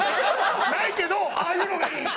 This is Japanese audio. ないけどああいうのがいい。